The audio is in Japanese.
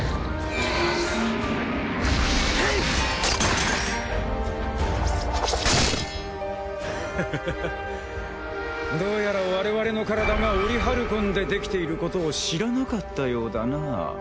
クククどうやら我々の体がオリハルコンで出来ていることを知らなかったようだな。